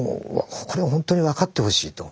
これはほんとに分かってほしい」と。